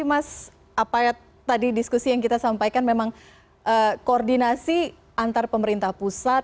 mas apa tadi diskusi yang kita sampaikan memang koordinasi antar pemerintah pusat